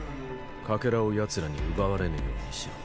かけらをヤツらに奪われぬようにしろ。